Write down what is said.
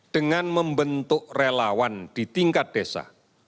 dengan membentuk relawan di tingkat desa